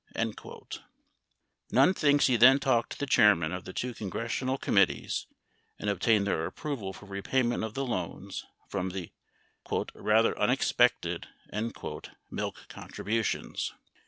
26 Nunn thinks he then talked to the chairmen of the two congressional committees, and obtained their approval for repayment of the loans from the "rather unexpected" milk contributions.